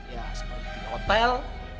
ya seperti hotel